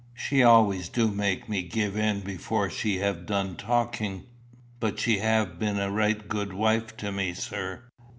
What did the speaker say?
She always do make me give in before she have done talking. But she have been a right good wife to me, sir."